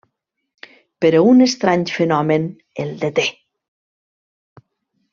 Però un estrany fenomen el deté.